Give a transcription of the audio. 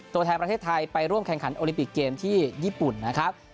ตัวแทนประเทศไทยไปร่วมแข่งขันโอลิมปิกเกมที่ญี่ปุ่นนะครับ